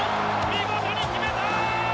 見事に決めた！